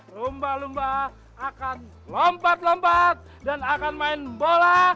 lumba lumba akan lompat lompat dan akan main bola